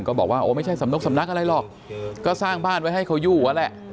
บอกว่าโอ้ไม่ใช่สำนกสำนักอะไรหรอกก็สร้างบ้านไว้ให้เขาอยู่นั่นแหละ